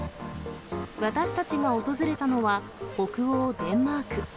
私たちが訪れたのは、北欧デンマーク。